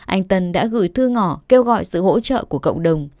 anh tân đã gửi thư ngỏ kêu gọi sự hỗ trợ của cộng đồng